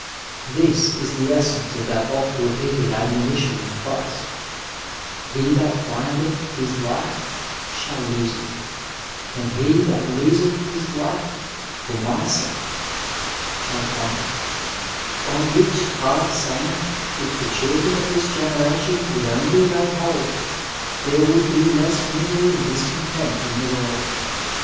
This is the essence of that oft repeated admonition of Christ, " He that findeth his life shall lose it, and he that loeeth his life for my sake shall find it," on which hard saying if the children of this generation would only lay hold, there would be less misery and discontent in the wcMrld.